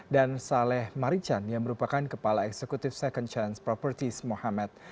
dan saleh marichan yang merupakan kepala eksekutif second chance properties mohamed